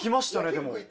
でも。